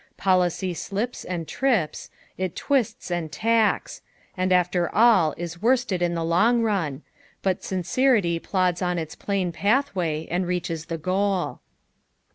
Policy Blips and trips, it twists and tacks, and after all is worsted in the long run, but mncerity plods on its plain pathway ■nd reaches the bosI.